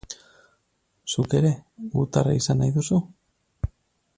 Zuk ere gutarra izan nahi duzu?